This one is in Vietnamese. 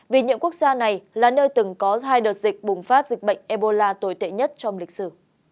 vì những quốc gia này là nơi từng có hai đợt dịch bùng phát dịch bệnh ebola tồi tệ nhất trong lịch sử